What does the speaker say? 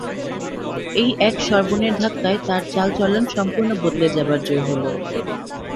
এই এক সর্বনের ধাক্কায় তার চালচলন সম্পূর্ণ বদলে যাবার জো হল।